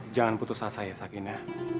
jangan putus asa ya sakina